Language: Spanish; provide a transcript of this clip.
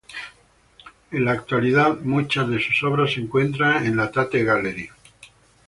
En la actualidad, muchas de sus obras se encuentran en la Tate Gallery.